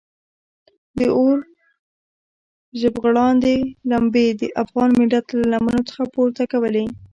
د اور ژبغړاندې لمبې د افغان ملت له لمنو څخه پورته کولې.